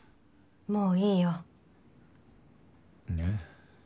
もういいよ。え？